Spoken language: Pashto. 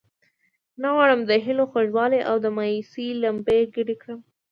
نه غواړم د هیلو خوږوالی او د مایوسۍ لمبې ګډې کړم.